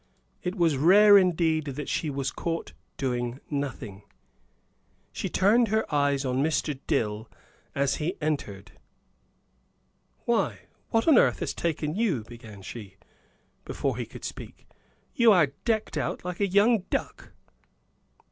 It was rare indeed that she was caught doing nothing. She turned her eyes on Mr. Dill as he entered. "Why, what on earth has taken you?" began she, before he could speak. "You are decked out like a young duck!"